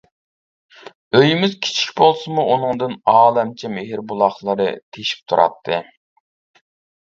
ئۆيىمىز كېچىك بولسىمۇ ئۇنىڭدىن ئالەمچە مېھىر بۇلاقلىرى تېشىپ تۇراتتى.